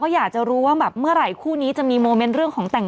อยากจะรู้ว่าแบบเมื่อไหร่คู่นี้จะมีโมเมนต์เรื่องของแต่ง